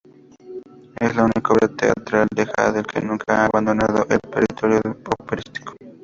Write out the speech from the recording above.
Es la única obra teatral de Händel que nunca ha abandonado el repertorio operístico.